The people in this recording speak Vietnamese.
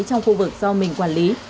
trong khu vực do mình quản lý